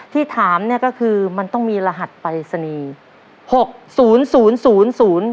ที่ถามเนี่ยก็คือมันต้องมีรหัสปลายสนีย์